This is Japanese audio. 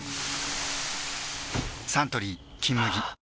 サントリー「金麦」